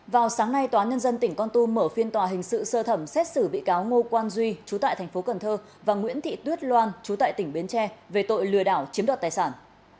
vào sáng nay tòa nhân dân tỉnh con tum mở phiên tòa hình sự sơ thẩm xét xử bị cáo ngô quan duy chú tại thành phố cần thơ và nguyễn thị tuyết loan chú tại tỉnh bến tre về tội lừa đảo chiếm đoạt tài sản